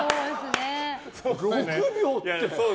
６秒って。